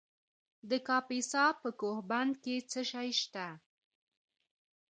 د کاپیسا په کوه بند کې څه شی شته؟